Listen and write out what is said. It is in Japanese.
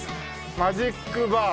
マジックバー。